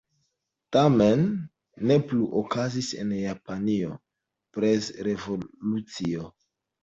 Tamen ne plu: okazis en Japanio prezrevolucio.